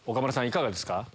いかがですか？